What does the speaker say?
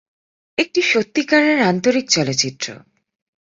একটি সত্যিকারের আন্তরিক চলচ্চিত্র।